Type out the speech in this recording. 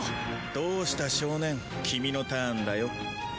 どうした少年君のターンだよ。